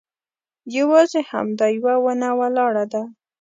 یوازې همدا یوه ونه ولاړه ده.